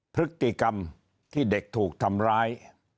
พฤติกรรมที่เด็กถูกทำร้าย